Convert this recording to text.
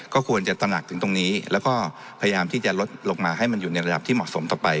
ก็ควรจะตระหนักถึงตรงนี้แล้วก็พยายามที่จะลดลงมาให้มันอยู่ในระดับที่เหมาะสมต่อไป